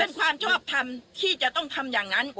เป็นความชอบทำที่จะต้องทำอย่างนั้น